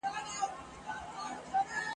د چا په برخه اولادونه لیکي ..